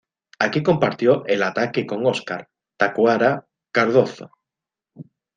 Aquí compartió el ataque con Oscar "Tacuara" Cardozo.